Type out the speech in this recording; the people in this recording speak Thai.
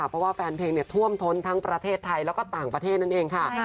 เพราะว่าแฟนเพลงท่วมท้นทั้งประเทศไทยแล้วก็ต่างประเทศนั่นเองค่ะ